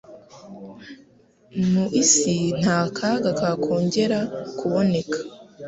mu isi nta kaga kakongera kuboneka.